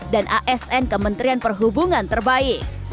dan asn kementerian perhubungan terbaik